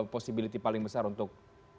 posibiliti paling besar untuk